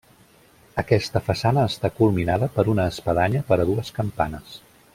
Aquesta façana està culminada per una espadanya per a dues campanes.